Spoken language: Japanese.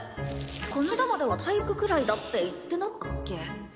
こないだまでは大木くらいだって言ってなかったっけ？